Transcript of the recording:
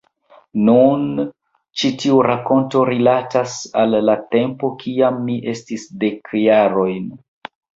Nun, ĉi tiu rakonto rilatas al la tempo kiam mi havis dek jarojn.